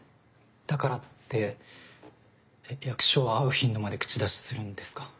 だからって役所は会う頻度まで口出しするんですか？